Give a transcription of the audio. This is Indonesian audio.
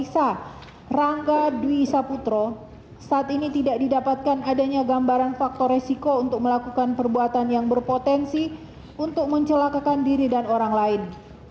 saat ini tidak didapatkan adanya gambaran faktor resiko untuk melakukan perbuatan yang berpotensi untuk mencelakakan diri dan orang lain